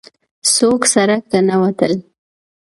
څوک سړک ته نه وتل.